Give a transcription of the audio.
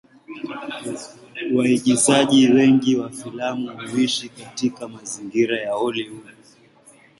Waigizaji wengi wa filamu huishi katika mazingira ya Hollywood.